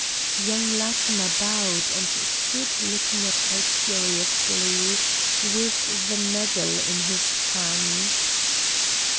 Young Latimer bowed, and stood looking at her curiously, with the medal in his hand.